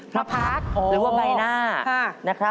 พระพักษ์หรือว่าใบหน้านะครับ